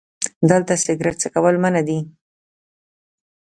🚭 دلته سګرټ څکل منع دي